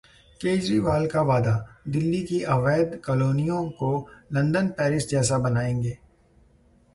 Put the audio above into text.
केजरीवाल का वादा- दिल्ली की अवैध कॉलोनियों को लंदन-पेरिस जैसा बनाएंगे